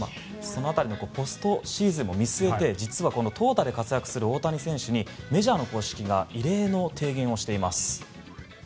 ポストシーズンも見据えて投打で活躍する大谷選手にメジャーの公式が異例の提言をしています。